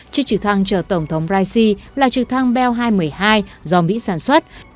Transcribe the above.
chiếc trực thăng chở tổng thống raisi là trực thăng bel hai trăm một mươi hai do mỹ sản xuất